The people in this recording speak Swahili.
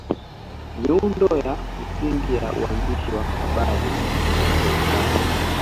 Miundo ya msingi ya uandishi wa habari inatofautiana